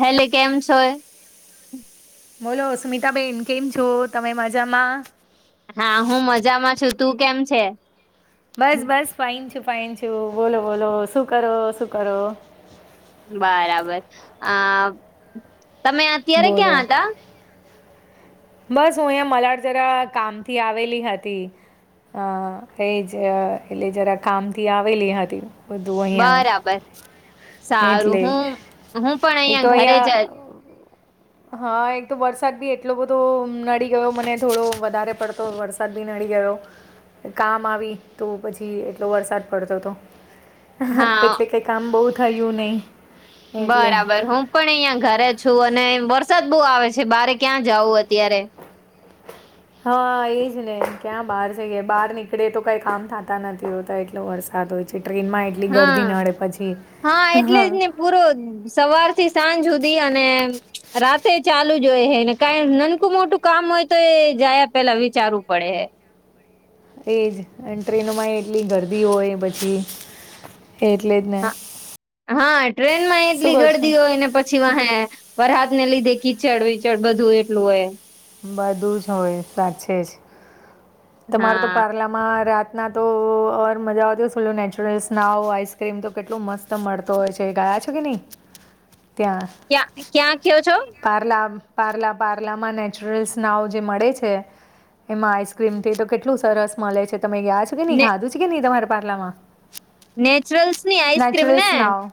હેલે કેમ છોય. બોલો સુમિતાબેન કેમ છો? તમે મજામાં. હા હું મજામાં છું. તું કેમ છે? બસ બસ ફાઇન છું ફાઇન છું, બોલો બોલો શું કરો શું કરો. બરાબર અ તમે અત્યારે બોલો ક્યાં હતા? બસ હું અહીંયા મલાડ જરા કામથી આવેલી હતી. અ એ જ એટલે જરા કામ થી આવેલી હતી. બધું બરાબર અહીંયા સારું એટલે હું હું પણ એક તો અહિયાં ઘરે જ અહીંયા જ- હા એક તો વરસાદ બી એટલો બધો નડી ગયો મને થોડો વધારે પડતો વરસાદ બી નડી ગયો. કામ આવી તો પછી એટલો વરસાદ પડતો તો. અહહ હા એટલે કે કામ બહુ થયું નહી. બરાબર હો. પણ અહિયાં ઘરે છું અને વરસાદ બહુ આવે છે બારે ક્યાં જવું અત્યારે. હા એજ ને ક્યાં બહાર જઈ ગાય બહાર નીકળે તો કઈ કામ થાતા નથી હોતા એટલો વરસાદ હોય છે. તે ટ્રેન માં એટલી હા ગર્દી નડે પછી હ. મૂ રોજ સવાર થી સાંજ હુધી અને રાતે ચાલુ જોયે હેને કાર નનકું મોટું કામ હોય તો એ જાયા પેલા વિચારવું પડે હે. એ જ અન ટ્રેનોમાં એટલી ગરદી હોય પછી એટલે જ ને. હા ટ્રેન માં શું એટલી કહો છો ગડદી હોય ને પછ છી વા હે વરહાદ ને લીધે કીચડ વિચડ બધું એટલું હોય. બધું જ હોય સાચે જ તમાર તો હા પાર્લા માં રાતના તો ઓર મજા આવતી હોય નેચરલ સ્નાવ આઈસક્રીમ તો કેટલું મસ્ત ત મળતો હોય છે ગાયા છો કે નહી ત્યાં. ક્યા ક્યાં કયો છો? પાર્લા પાર્લા પાર્લામાં નેચરલ્ સ્નાવ જે મળે છે. એમાં આઈસક્રીમથી તો કેટલું સરસ મળે છે તમે ગયા છો કે નહી ને ખાધું છે કે નહી તમારા પાર્લા માં નેચરલ્સ ની આઈસક્રીમ ને નાવ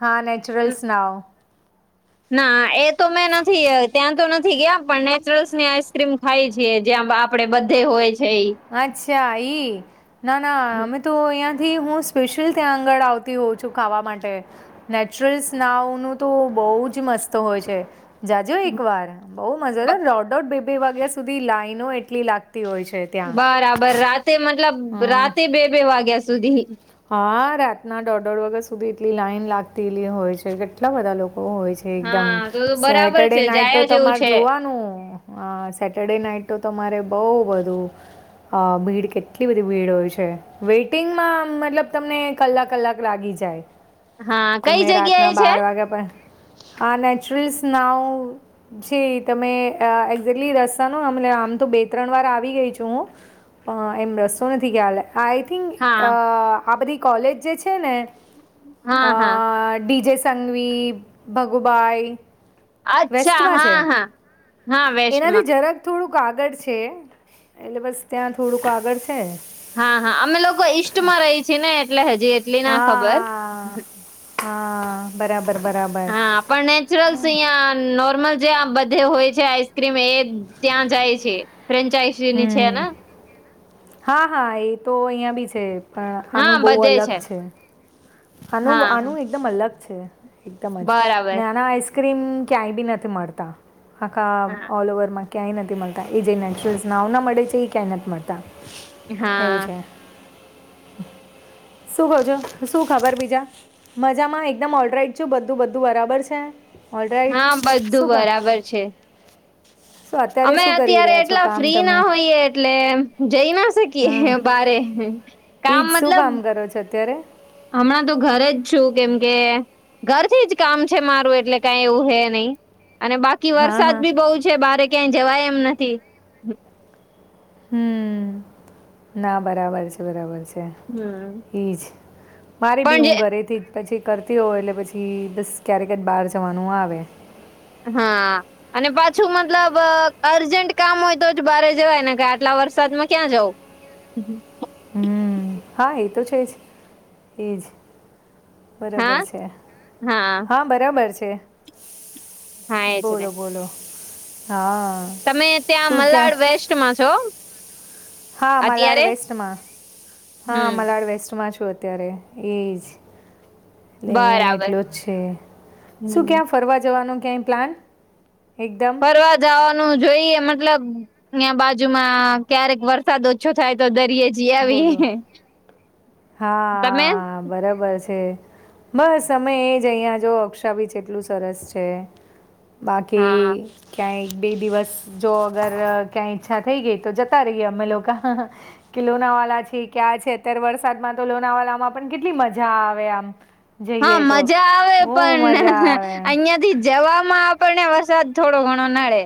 હા નેચુરલ્સ નાઓ ના એ તો મેં નથી ત્યાં તો નથી ગયા પણ નેચરલ્સ ની આઈસ્ક્રીમ ખાય છીએ જ્યાં આપડે બધે હોય છે અચ્છા એઈ ના ના અમે તો અહીંથી હું સ્પેશિયલ ત્યાં આગળ આવતી હોઉં છું ખાવા માટે નેચરલ સ્નાવનું તો બહુ જ મસ્ત હોય છે જાજો એક વાર બહ મજા રોટોટ બે બે વાગ્યા સુધી લાઈનો એટલી લાગતી હોય છે ત્યાં બરાબર રાતે મતલબ હં રાતે બે બે વાગ્યા સુધી હા રાતના દોઢ દોઢ વાગ્યા સુધી એટલી લાઈન લાગતી હોય છે કેટલા બધા લોકો હોય છે એકદમ હા તો તો બરાબર સેટરડે છે નાઈટ તો જાયા જેવું તમારે છે જોવાનું હ સેટરડે નાઈટ તો તમારે બઉ બધું અ ભીડ કેટલી બધી ભીડ હોય છે વેઇટિંગમાં મતલબ તમને કલાક કલાક લાગી જાય હા કઈ તમે જગ્યા રાતના એ છે બાર વાગ્યા પણ હ નેચરલ સ્નાવ જી તમે એક્ઝેકલી રસ્તા નમ આમ તો બે ત્રણ વાર આવી ગઈ છું હું એમ રસ્તો નથી ખ્યાલ આઈ થિંક હા આ બધી કોલેજ જે છે ને હા હા ડીજ સંવીપ ભગુબાઈ અચ્છા વેસ્ટમાં છે હા હા હા વેસ્ટમાં એનાથી જઝરાક થોડુંક આગળ છે એટલે બસ ત્યાં થોડુંક આગળ છે હા હા અમે લોકો ઈષમાં રહી છી ને એટલે હજી એટલી ના ખબર હા હા બરાબર બરાબર હા આપણેપણ નેચરલ્સ અહંનો નોર્મલ જે આ બધે હોય છે આઈસ્ક્રીમ એ ત્યાં જાય છે ફ્રેન્ચઇસી ની છે હમ ને હા હા એ તો અહિયાં બી છે પણ હા આનું બહુ બધે અલગ છે. આનું હા આનું એકદમ અલગ છે એકદમ જ બરાબર અને આના આ આ ક્રીમ ક્યાંય બી નથી મળતા હકા હા ઓલ ઓવરમાં ક્યાંય નથી મળતા એ જે નેચરસ નાવના મળે છે એ ક્યાંય નથી મળતા. એવું હા. છે શું કહ છો શું ખબર બીજા મજામાં એકદમ ઓડરાઈટ છું બધું બધું બરાબર છે ઓલરાઈટ હા બધું શું કર બરાબર છે. શું અત્યારે અમે શું કરી અત્યારે રહ્યા છો એટલા કામ ફ્રી ના તમે હોઈયએ એટલે જઈ ના હા શકીએ બારે. એ કામ જ શું મતલબ કામ કરો છો અત્યારે? હમણાં તો ઘરે જ છું કેમ કે ઘરથી જ કામ છે મારું એટલે કઈ એવું હે નહી અને બાકી કે હા વરસાદ હા બી બહુ છે બારે ક્યાંય જવાય એમ નથી. હમ્મ ના બરાબર છે. બરાબર છે. હમ એઈજ મારે બી પણ જે હું ઘરેથી પછી કરતી હો એટલે પછી બસ ક્યારેક જ બહાર જવાનું આવે. હા. અને પાછું મતલબ અર્જન્ટ કામ હોય તો જ બારે જવાય ને કે આટલા વરસાદમાં ક્યાં જવું? [inaudible] હમ્મ હા એ તો છે જ એજ. હા બરોબર છે. હા બરાબર છે. હા એજ ને બોલો બોલો હા. તમે ત્યાં શું ક્યાં મલાડ વેસ્ટમાં છો? હા મલાડ અત્યારે વેસ્ટમાં. હા હમ મલાડ વેસ્ટમાં છું અત્યારે. એજ અહિયાં બરાબર એટલો જ છે હમ શું ક્યાં ફરવા જવાનું ક્યાંય પ્લાન? એકદમ કરવા જવાનું જોઈએ મતલબ ત્યાં બાજુમાં ક્યારેક વરસાદ ઓછો થાય તો દરિયે જ જઈ બોલો આવીયે. તમે? હા બરાબર છે. બસ અમે એ જ અહીંયા જો અક્ષાબીચ એટલું સરસ છે. બાકી હા ક્યાં એક બે દિવસ જો અગર ક્યાં ઈચ્છા થઈ ગઈ તો જતા રહીએ અમે લોકો. કે લોનાવાલા છે ક્યાં છે અત્યારે વરસાદમાં તો લોનાવાલામાં પણ કેટલી મજા આવે આમ. હા જઈએ તો મજા આવે બહુ પણ મજા આવે અહિયાંથી જવામાં આપણને વરસાદ થોડો ઘણો નડે.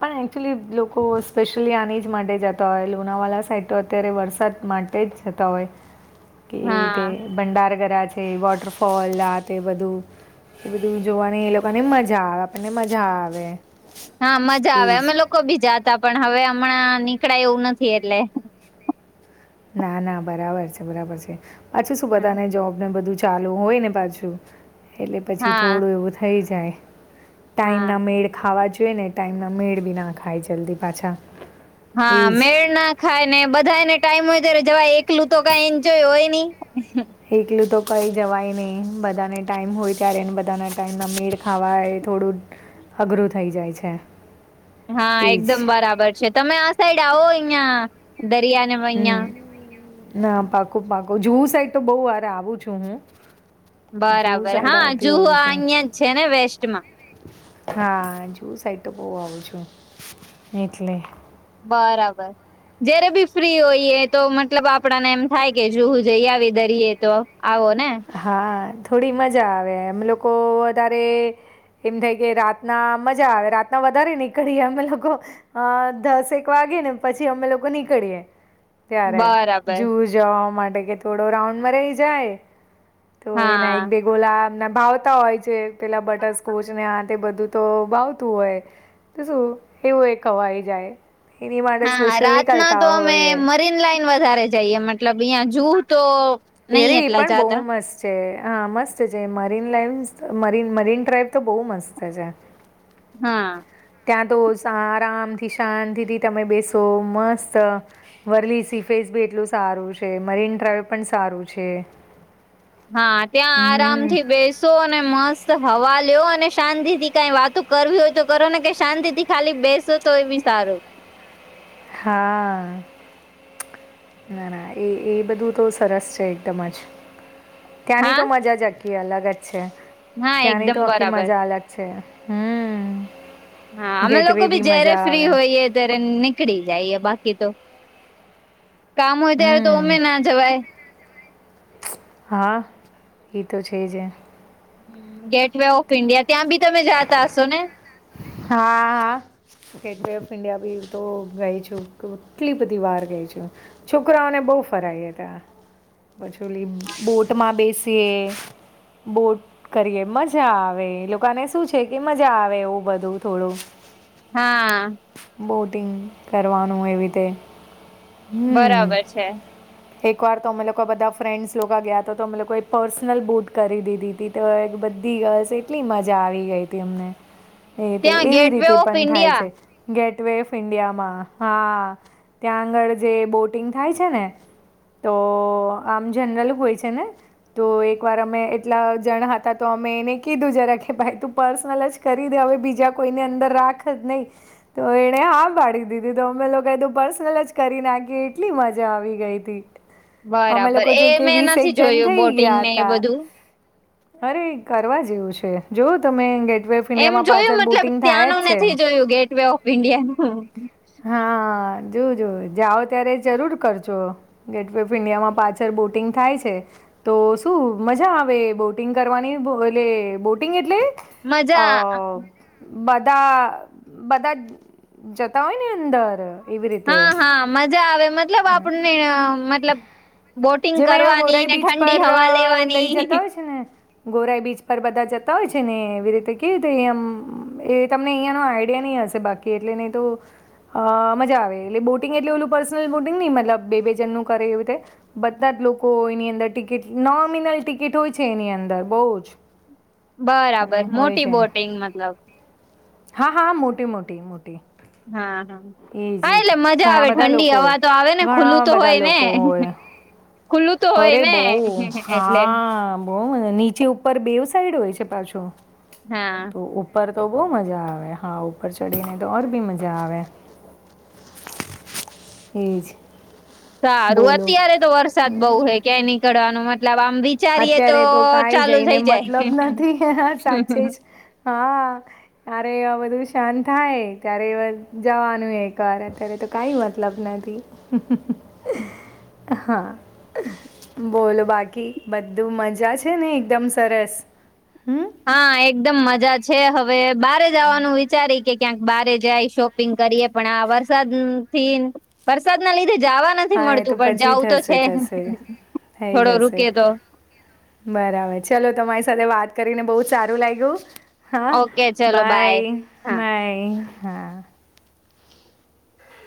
પણ એકચ્યુલી લોકો સ્પેશ્યયલી આની જ માટે જતા હોય. લુણાવાલા સાઈડ તો અત્યારે વરસાદ માટે તે જ થતા હોય કે એ રીતે હા ભંડાર કર્યા છે વોટરફોલ આ તે બધું. એ બધું જોવાની એ લોકોને મજા. આવે આપણને મજા આવે. હા મજા એ આવે અમે જ. લોકો બી જાતા પણ હવે હમણાં નીકળાય એવું નથી એટલે ના ના બરાબર છે બરાબર છે પાછું શું બધાને જોબ ને બધું ચાલુ હોય ને પાછુ એટલે પછી હા થોડું એવું થઈ જાય. હા ટાઈમના મેળ ખાવા જોઈએ ને ટાઈમ ના મેળ બી ના ખાય જલ્દી પાછા. એ હા જ. મેળના ખાય ને બધાને ટાઈમ હોય ત્યારે જવા એકલું તો કઈ એન્જોય હોય નહી. એકલું તો કઈ જવાય નહી બધાને ટાઈમ હોય ત્યારેને બધાના ટાઈમના મેળ ખાવાય થોડું અઘરું થઈ જાય છે. હા એ જ એકદમ બરાબર છે. તમે આ સાઈડ આવો અહિયાં દરિયાને અહિયાં હમ ના પાકો પાકો જવું સાઈડ તો બહુ હરે આવું છું હું. જૂહુ બરાબર સાઈડ હા આવતી જુવો હોઉં આ છું અહિયાં જ છે ને વેસ્ટમાં. હા જુ સાઈડ તો બહ આવું છું એટલે બરાબર જયારે બી ફ્રી હોઈએ તો મતલબ આપડાને એમ થાય કે જોવું જઈએ આવી દરીએ તો આવો ને હા થોડી મજા આવે એમ લોકો વધારે એમ થાય કે રાતના મજા આવે રાતના વધારે નીકળીએ અમે લોકો અ દસક વાગે ને પછી અમે લોકો નીકળીએે ત્યારે બરાબર જુ જવા માટે કે થોડો રાઉન્ડમાં રહી જાય તો એના એક હા ભેગોલામના ભાવતા હોય છે પેલા બટરસ્કોચ ને આથે બધું તો બાવતું હોય તો શું એવું એ કવાય જાય એની માટે હા સ્પેશિયલ રાતના નીકળતા તો અમે હોય એ મરીન લાઈન વધારે જઈએ મતલબ અહં જુહ તો હ ર નહી એ એટલા પણ બઉુ જાતા મસ્ત છે હા મસ્ત છે મરીન લાઈવ મરી મરીન ડ્રાઈવ તો બહુ મસ્ત છે હા ત્યાં તો આરામથી શાંતિથી તમે બેસો મસ્ત વર્લી સીફેસ બી એટલું સારું છે મરીન ડ્રાઈવ પણ સારું છે હા ત્યાં હમ આરામથી બેસ અને મસ્ત હવા લ્યો અને શાંતિ થી કઈ વાતો કરવી હોય તો કરો ને કે શાંતિથી ખાલી બેસો તો એ બ સારો હા ના ના એ એ બધું તો સરસ છે એકદમ જ ત્યાંની હા તો મજા જકી અલગ જ છે હા ત્યાંની તો એકદમ આખી બરાબર મજા અલગ છે હમ હા અમે લોકો ગેટવે બી જયારે મજા ફ્રી આવે હોઈએ ત્યારે પકડી જાયએ બાકી તો કામ હોય ત્યારે તો હમ અમે ના જવાય હા એ તો છે જ ગેટ વે ઓફ ઈન્ડિયા ત્યાં બી તમે જાતા હશો ને હા. હા. ગેટ વ ઓફ ઇન્ડિયા બી તો ગઈ છું કેટલી બધી વાર ગઈ છું. છોકરાઓને બહુ ફરાયયા હતા. પછીલી બોટમાં બેસીએ. બોટ કરીએ મજા આવે લોકોને શું છે કે મજા આવે એવું બધું બુ થોડો હા. બોટિંગ કરવાનું એવી રીતે હમ બરાબર છે એક વાર તો અમે લોકો બધા ફ્રેન્ડ્સ લોકો ગયા હતા તો અમે લોકોએ પર્સનલ બૂટ કરી દીધી હતી તો એક બધી ગલ્સ એટલી મજા આવી ગઈ હતી અમને એ ત્યાં એવી ગેટવે રીતે ઓફ પણ થાય છે. ઇન્ડિયા ગેટ વે ઓફ ઇન્ડિયામાં હા ત્યાં આગળ જે બોટિંગ થાય છે ને તો આમ જનરલ હોય છે ને તો એક વાર અમે એટલા જણા હતા તો અમે એને કીધું જરા કે ભાઈ તું પર્સનલ જ કર દિવસ હવે બીજા કોઈની અંદર રાખ જ નહી તો એણે હા પાડી દીધી તો અમે લોકોએ તું પર્સનલ જ કરી નાખી એટલી મજા આવી ગઈ તી. અમે બરાબર લોકો એ જો કે મેં વીસે નથી એક જન જોયું થઈ બોટિંગ ગયા ને એ હતા બધું અરે કરવા જેવું છે જો તમે ગેટવે ઓફ એમ ઇન્ડિયામાં જોયું પાછળ મતલબ બોટિંગ થાય જ ત્યાંનું છે એમ. નથી જોયું ગેટ વ ઓફ ઈન્ડિયા ન હા જો જો જાઓ ત્યારે જરૂર કરજો ગેટ વ ઓફ ઇન્ડિયામાં પાછળ બોટિંગ થાય છે. તો શું મજા આવે બોટિંગ કરવાની એટલે બોટિંગ એટલે અ મજા બધા બધા જતા હોય ને અંદર એવી રીતે હા હા મજા આવે મતલબ આપણને મતલબ બોટિંગ જે મેં અહીંયા કરવાની ગોરાઈ ને બીચ ઠંડી પર અ, હવા લઈ જતા લેવાની હોય છે ને ગોરાઈ બીચ પર બધા જતા હોય છે ને એવી રીતે કે તે એમ તમને અહીંયા ન આઈડિયા નહી હશે બાકી એટલે નહીં તો અ મજા આવે એટલે બોટિંગ એટલું ઓલું પર્સનલ બોટિંગ નહી મતલબ બે બી જણનું કરે એવુંતે બધા જ લોકો એની અંદર ટિકિટ નોમિ--નલ ટિકિટ હોય છે એની અંદર બહુ જ બરાબર અને હોય મોટી છે બોટિંગ મતલબ હા હા મોટી મોટી મોટી હા. હા. એ હા જ એ એટલે જ મજા ઘણા આવે બધા ઠંડી લોકો હોય હવા તો આવે ને ઘણા ખુલ્લું તો બધા હોય ને લોકો હોય ખુલ્લું તો અરે હોય ને હ હ એટલે બહુને નીચે ઉપર બેવ સાઈડ હોય છે પાછો હા તો ઉપર તો બહુ મજા આવે હા ઉપર ચડી ને તો ઓર બી મજા આવે ત્રી જ સારું બોલો અત્યારે તો વરસાદ બહુ હે ક્યાંય નીકળવાનું મતલબ આમ બી અત્યારે તો કઈ જઈને મતલબ નથી સાચે જ હા ત્યારે એવા બધું શાંત થાય ત્યારે એવા જવાનું એકવાર અત્યારે તો કઈ મતલબ નથી હા બોલો બાકી બધું મજા છે ને એકદમ સરસ હમ હા એકદમ મજા છે હવે બારે જવાનું વિચારી કે ક્યાંક બારે જાય શોપિંગ કરીએ પણ આ વરસાદ થી વરસાદ ના લીધે જવા નથી હા એ તો મળતું પણ પછી જઉ તો થશે છે થશે થઈ થોડો જશે રૂકે તો બરાબર ચલો તમારી સાથે વાત કરીને બહુ સારું લાયગું હા ઓકે ચલો બાય હા બાય હા